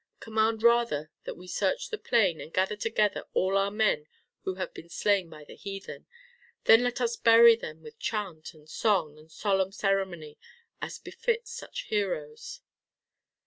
Command rather that we search the plain and gather together all our men who have been slain by the heathen. Then let us bury them with chant, and song and solemn ceremony, as befits such heroes."